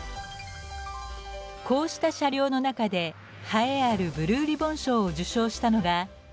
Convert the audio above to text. こうした車両の中で栄えあるブルーリボン賞を受賞したのが。